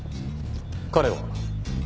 彼は？